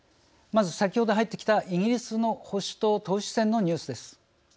まず、先ほど入ってきたイギリスの保守党党首選のニュースです。